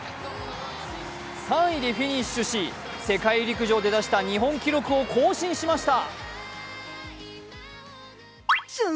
３位でフィニッシュし世界陸上で出した世界記録を更新しました。